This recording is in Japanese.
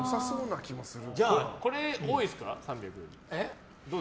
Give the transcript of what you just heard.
これ、多いですか？